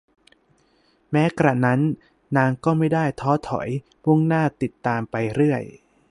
แม้กระนั้นนางก็มิได้ท้อถอยมุ่งหน้าติดตามไปเรื่อย